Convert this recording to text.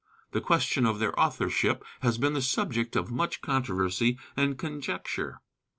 The question of their authorship has been the subject of much controversy and conjecture.